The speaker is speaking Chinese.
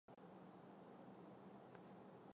目前从事的音效指导讲师。